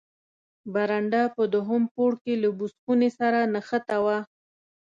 برنډه په دوهم پوړ کې له بوس خونې سره نښته وه.